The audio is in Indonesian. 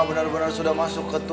benar benar sudah masuk ke